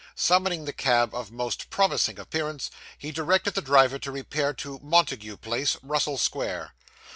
Summoning the cab of most promising appearance, he directed the driver to repair to Montague Place, Russell Square.